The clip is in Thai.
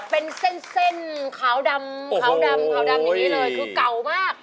เป็นเส้นขาวดำคือเก่ามาก